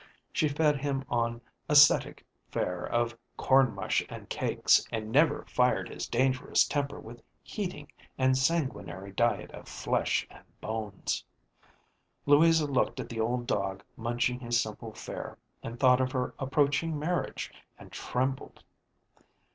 She fed him on ascetic fare of corn mush and cakes, and never fired his dangerous temper with heating and sanguinary diet of flesh and bones. Louisa looked at the old dog munching his simple fare, and thought of her approaching marriage and trembled.